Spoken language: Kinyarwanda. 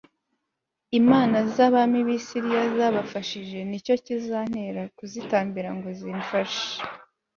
imana z'abami b'i siriya zabafashije, ni cyo kizantera kuzitambira ngo zimfashe